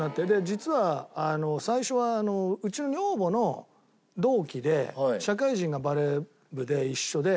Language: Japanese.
実は最初はうちの女房の同期で社会人がバレー部で一緒で。